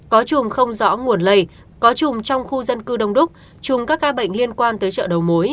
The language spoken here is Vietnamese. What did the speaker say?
có trùng không rõ nguồn lây có trùng trong khu dân cư đông đúc trùng các ca bệnh liên quan tới chợ đầu mối